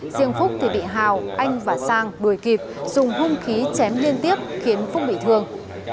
riêng phúc thì bị hào anh và sang đuổi kịp dùng hung khí chém liên tiếp khiến phúc bị thương